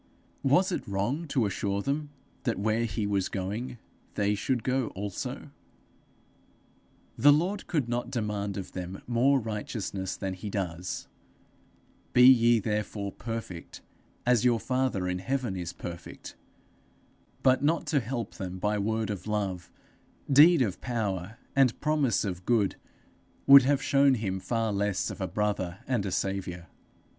Was it wrong to assure them that where he was going they should go also? The Lord could not demand of them more righteousness than he does: 'Be ye therefore perfect as your father in heaven is perfect;' but not to help them by word of love, deed of power, and promise of good, would have shown him far less of a brother and a saviour.